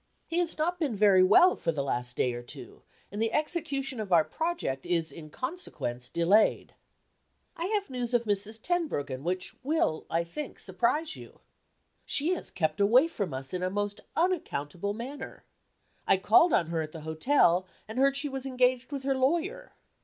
He has not been very well for the last day or two, and the execution of our project is in consequence delayed. I have news of Mrs. Tenbruggen which will, I think, surprise you. She has kept away from us in a most unaccountable manner. I called on her at the hotel, and heard she was engaged with her lawyer.